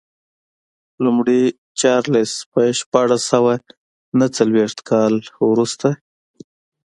لومړی چارلېز په شپاړس سوه نهویشت کال وروسته.